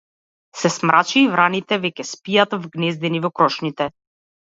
Се смрачи и враните веќе спијат вгнездени во крошните.